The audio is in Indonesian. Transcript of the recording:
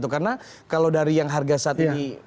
karena kalau dari yang harga saat ini